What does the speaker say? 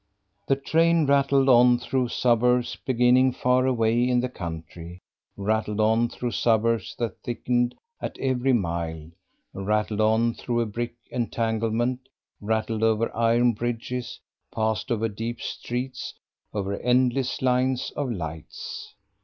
The train rattled on through suburbs beginning far away in the country; rattled on through suburbs that thickened at every mile; rattled on through a brick entanglement; rattled over iron bridges, passed over deep streets, over endless lines of lights.